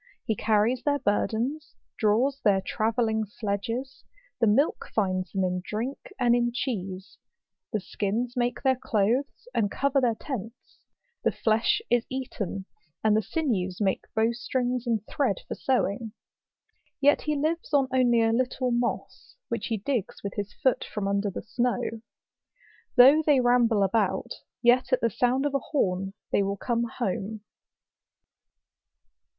He carries their burdens, draws their travelling sledges; the milk finds them in drink, and in cheese ; the skins make their clothes, and cover their tents ; the flesh is eaten; and the sinews make bowstrings and thread for sewing. Yet he lives on only a little moss, which he digs with his foot from under the snow. Though they ramble about, yet at the sound of a horn they will come home.